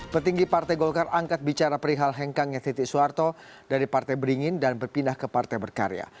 petinggi partai golkar angkat bicara perihal hengkangnya titik soeharto dari partai beringin dan berpindah ke partai berkarya